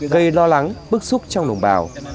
gây lo lắng bức xúc trong đồng bào